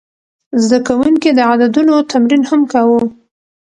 زده کوونکي د عددونو تمرین هم کاوه.